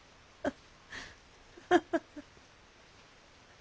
ハハハハ。